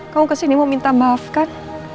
kamu kesini mau minta maaf kan